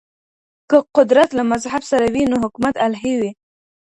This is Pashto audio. که قدرت له مذهب سره وي نو حکومت الهي وي.